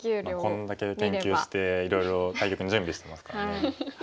こんだけ研究していろいろ対局の準備してますからね。